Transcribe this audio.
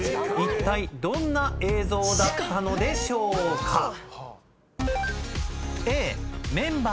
いったいどんな映像だったのでしょうか？